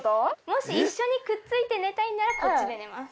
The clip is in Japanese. もし一緒にくっついて寝たいならこっちで寝ます。